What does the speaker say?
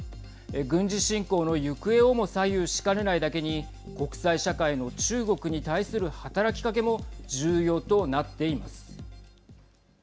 軍事侵攻の行方をも左右しかねないだけに国際社会の中国に対する働きかけも重要となっています。